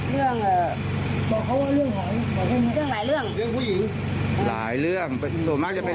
เรื่องบอกเขาว่าเรื่องหลายเรื่อง